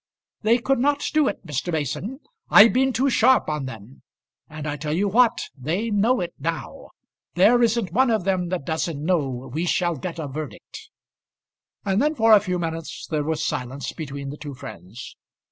"They could not do it, Mr. Mason; I've been too sharp on them. And I tell you what, they know it now. There isn't one of them that doesn't know we shall get a verdict." And then for a few minutes there was silence between the two friends.